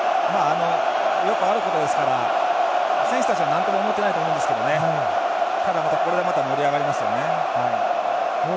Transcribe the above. よくあることですから選手たちはなんとも思ってないと思いますけどただ、これでまた盛り上がりますね。